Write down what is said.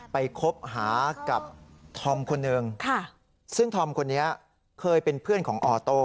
คบหากับธอมคนหนึ่งซึ่งธอมคนนี้เคยเป็นเพื่อนของออโต้